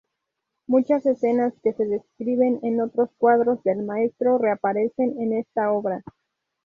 Muchas escenas que se describen en otros cuadros del maestro reaparecen en esta obra.